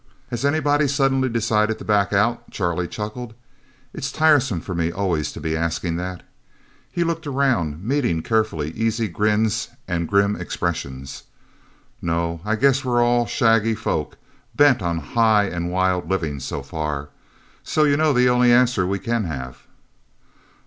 "Has anybody suddenly decided to back out?" Charlie chuckled. "It's tiresome for me always to be asking that." He looked around, meeting carefully easy grins and grim expressions. "Nope I guess we're all shaggy folk, bent on high and wild living, so far. So you know the only answer we can have."